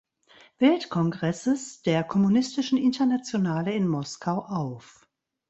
Weltkongresses der Kommunistischen Internationale in Moskau auf.